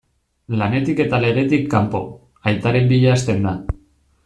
Lanetik eta legetik kanpo, aitaren bila hasten da.